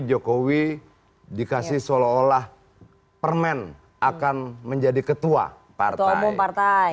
jokowi dikasih seolah olah permen akan menjadi ketua partai partai